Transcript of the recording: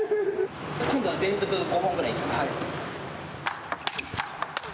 今度は連続で５本ぐらいいきます。